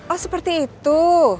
oh seperti itu